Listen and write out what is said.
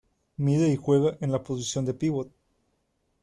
Mide y juega en la posición de pívot.